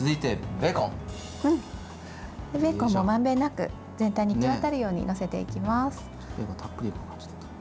ベーコンもまんべんなく全体に行き渡るように載せていきます。